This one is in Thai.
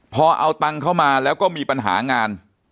พอเอาตังค์เข้ามาแล้วก็มีปัญหางาน